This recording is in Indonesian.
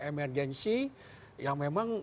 emergensi yang memang